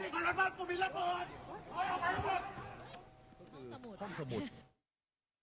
เอาออกไปเอาออกไป